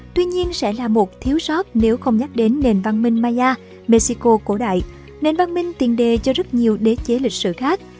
tuy nhiên sẽ là một thiếu sót nếu không nhắc đến nền văn minh maya mexico cổ đại nền văn minh tiền đề cho rất nhiều đế chế lịch sử khác